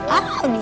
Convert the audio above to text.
ah udah jadi